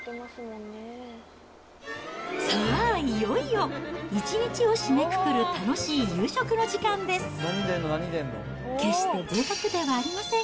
さあ、いよいよ、一日を締めくくる楽しい夕食の時間です。